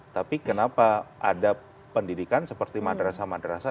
tapi kenapa ada pendidikan seperti madrasah madrasah